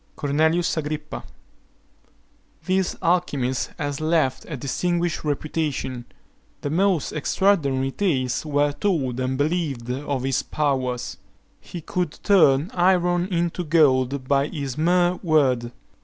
CORNELIUS AGRIPPA. This alchymist has left a distinguished reputation. The most extraordinary tales were told and believed of his powers. He could turn iron into gold by his mere word.